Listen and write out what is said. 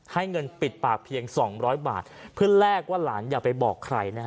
ให้เงินปิดปากเพียงสองร้อยบาทเพื่อแลกว่าหลานอย่าไปบอกใครนะฮะ